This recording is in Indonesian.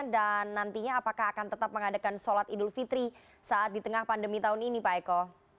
dan nantinya apakah akan tetap mengadakan sholat idul fitri saat di tengah pandemi tahun ini pak eko